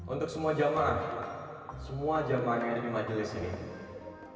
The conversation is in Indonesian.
untuk semua jamaah semua jamaah yang ada di majelis ini